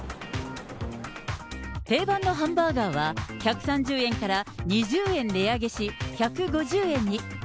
定番のハンバーガーは、１３０円から２０円値上げし１５０円に。